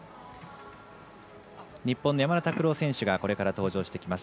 日本の山田拓朗選手がこれから登場してきます。